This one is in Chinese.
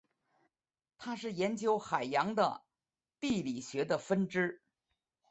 它是研究海洋的地理学的分支。